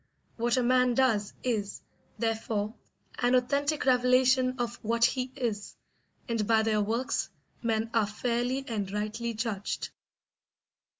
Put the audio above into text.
What a man does is, therefore, an authentic revelation of what he is, and by their works men are fairly and rightly judged.